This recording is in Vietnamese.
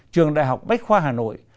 trường đại học bách khoa hà nội